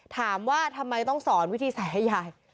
ถามว่าทำไมต้องสอนวิธีใส่ให้ยาย